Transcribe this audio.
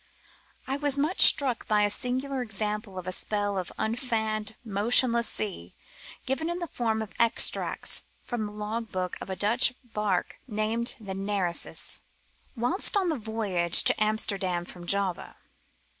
I was much struck by a singular example of a spell of unfanned motionless sea given in the form of extracts from the log book of a Dutch barque named the Nereus, whilst on a voyage to Amsterdam from Java.